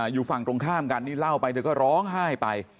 อยู่ฝั่งตรงค่านก่อนเขาเล่าไปเนี่ยเขาก็ร้องไห้ไป